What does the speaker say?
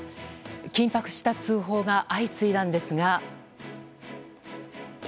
緊迫した通報が相次いだんですが。